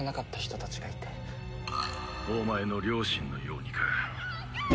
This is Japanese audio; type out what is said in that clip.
お前の両親のようにか。